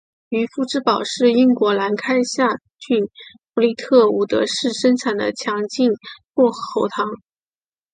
渔夫之宝是英国兰开夏郡弗利特伍德市生产的强劲薄荷喉糖。